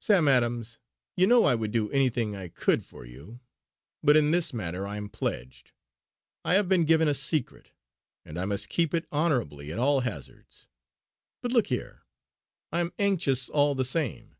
Sam Adams, you know I would do anything I could for you; but in this matter I am pledged. I have been given a secret, and I must keep it honourably at all hazards. But look here, I am anxious all the same.